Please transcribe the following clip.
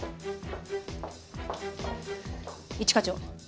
一課長。